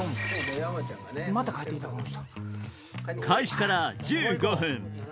開始から１５分